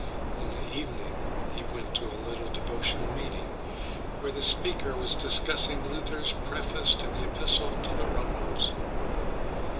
In the evening he went to a little devotional meeting where the speaker was discussing Luther's Preface to the Epistle to the Romans.